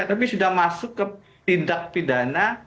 tapi sudah masuk ke tindak pidana